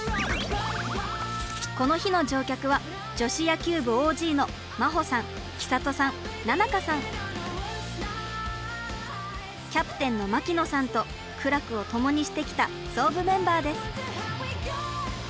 この日の乗客は女子野球部ＯＧのキャプテンの牧野さんと苦楽を共にしてきた創部メンバーです。